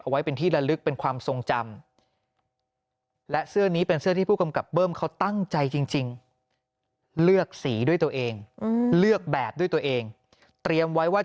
หยุดหยุดหยุดหยุดหยุดหยุดหยุดหยุด